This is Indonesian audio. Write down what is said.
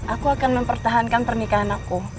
aku akan mempertahankan pernikahan aku